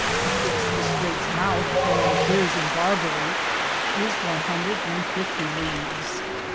Betwixte the straites mouthe and Argeare in Barbarria is one hundrethe and fiftie leages.